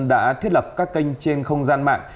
đã thiết lập các kênh trên không gian mạng